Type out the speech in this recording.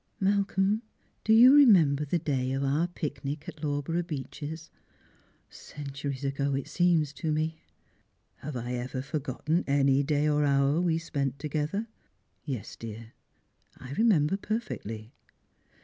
" Malcolm, do you remember the day of our picnic at Law borough Beeches ? Centuries ago, it seems to me." " Have I ever forgotten any day or hour we spent together ? Yes, dear, I remember perfectly."